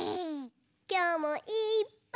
きょうもいっぱい。